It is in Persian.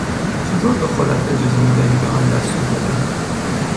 چطور به خودت اجازه میدهی به من دستور بدهی!